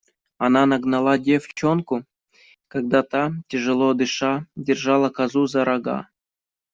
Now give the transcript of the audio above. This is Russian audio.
Она нагнала девчонку, когда та, тяжело дыша, держала козу за рога.